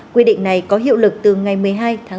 quy định này có hiệu lực từ ngày một mươi hai tháng một mươi hai